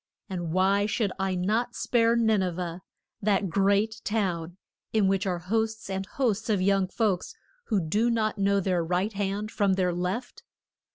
And why should I not spare Nin e veh that great town in which are hosts and hosts of young folks who do not know their right hand from their left?